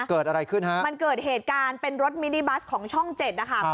เกิดอะไรขึ้นฮะมันเกิดเหตุการณ์เป็นรถมินิบัสของช่องเจ็ดนะคะ